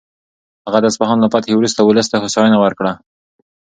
هغه د اصفهان له فتحې وروسته ولس ته هوساینه ورکړه.